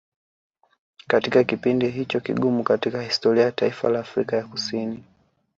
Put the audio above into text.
katika kipindi hicho kigumu katika historia ya taifa la Afrika ya kusini